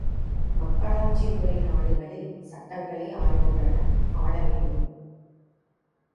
மக்களாட்சி முறை நாடுகளில் சட்டங்களே ஆள்கின்றன ஆளவேண்டும்.